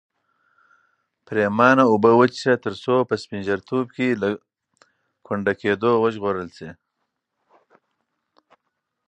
پرېمانه اوبه وڅښه ترڅو په سپین ږیرتوب کې له ګونډه کېدو وژغورل شې.